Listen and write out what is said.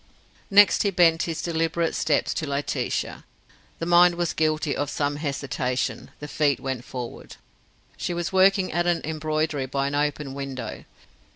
Next he bent his deliberate steps to Laetitia. The mind was guilty of some hesitation; the feet went forward. She was working at an embroidery by an open window.